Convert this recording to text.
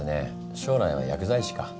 将来は薬剤師か。